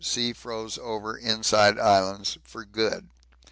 Sea froze over inside Islands for good.